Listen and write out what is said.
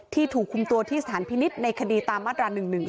ที่ถูกคุ้มตัวที่สถานพินิษฐ์ในคณีตามร๑๑๒